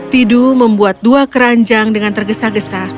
tidu membuat dua keranjang dengan tergesa gesa